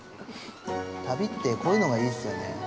◆旅ってこういうのがいいっすよね。